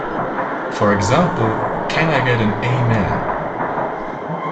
For example Can I get an Amen?